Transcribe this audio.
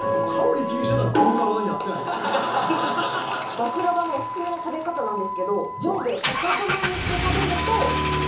バクラヴァのオススメの食べ方なんですけど。